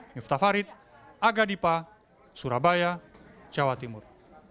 miftah farid aga dipa surabaya jawa timur